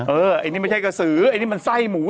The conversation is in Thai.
เออไอ้นี่ไม่ใช่กระสืออันนี้มันไส้หมู